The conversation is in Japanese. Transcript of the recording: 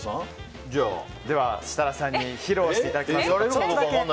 設楽さんに披露していただきましょう。